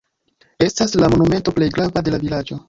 Estas la monumento plej grava de la vilaĝo.